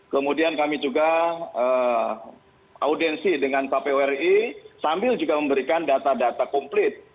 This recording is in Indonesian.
kemudian kami juga audiensi dengan kpwri sambil juga memberikan data data komplit